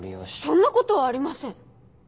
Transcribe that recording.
そんなことありません。